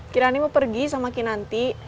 kirani mau pergi sama kinanti